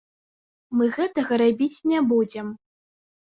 Мы гэтага рабіць не будзем.